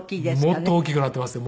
もっと大きくなっていますよ。